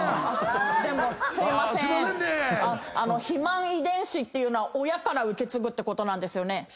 肥満遺伝子っていうのは親から受け継ぐってことなんですよね。